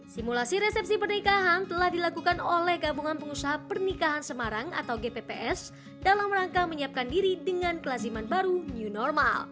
simulasi resepsi pernikahan telah dilakukan oleh gabungan pengusaha pernikahan semarang atau gpps dalam rangka menyiapkan diri dengan kelaziman baru new normal